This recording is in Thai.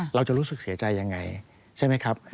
เราจะรู้สึกเสียใจยังไงใช่ไหมครับ